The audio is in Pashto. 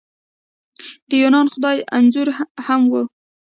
د یوناني خدایانو انځورونه هم وو